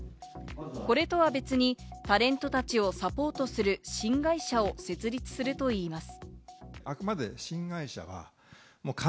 これとは別にタレントたちをサポートする新会社を設立するといいます。